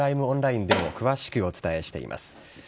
オンラインでも詳しくお伝えしています。